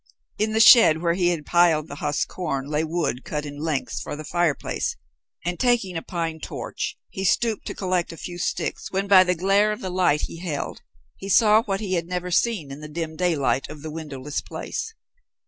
In the shed where he had piled the husked corn lay wood cut in lengths for the fireplace, and taking a pine torch he stooped to collect a few sticks, when, by the glare of the light he held, he saw what he had never seen in the dim daylight of the windowless place.